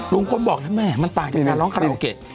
ลุงพลบอกนะแม่มันต่างจากการร้องคาราโอเกะ